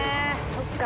そっか。